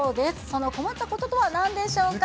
その困ったこととはなんでしょうか？